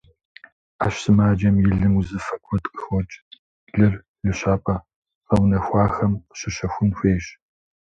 Ӏэщ сымаджэм и лым узыфэ куэд къыхокӏ, лыр лыщапӏэ гъэунэхуахэм къыщыщэхун хуейщ.